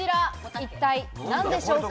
一体何でしょうか？